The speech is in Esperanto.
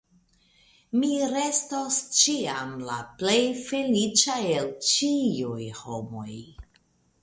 Mi restos ĉiam la plej feliĉa el ĉiuj homoj.